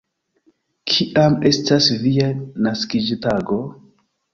Kiam estas via naskiĝtago?